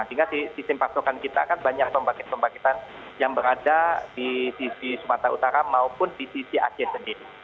sehingga sistem pasokan kita kan banyak pembangkit pembangkitan yang berada di sisi sumatera utara maupun di sisi aceh sendiri